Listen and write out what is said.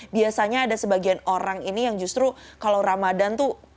biasanya ada sebagian orang ini yang justru kalau ramadhan tuh